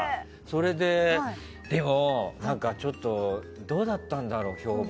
それででもどうだったんだろう？評判。